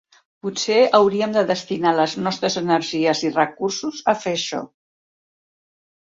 Potser hauríem de destinar les nostres energies i recursos a fer això.